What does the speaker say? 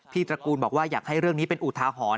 ตระกูลบอกว่าอยากให้เรื่องนี้เป็นอุทาหรณ์